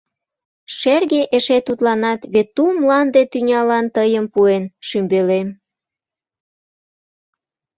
Шерге эше тудланат, вет ту мланде тӱнялан тыйым пуэн, шӱмбелем.